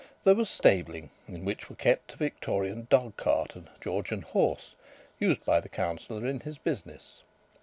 There was stabling, in which were kept a Victorian dogcart and a Georgian horse, used by the Councillor in his business.